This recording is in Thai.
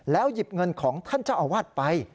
หยิบเงินของท่านเจ้าอาวาสไป